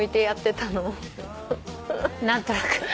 何となく。